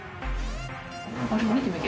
見てみて。